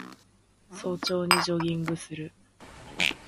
早朝にジョギングする